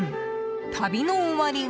旅の終わりは。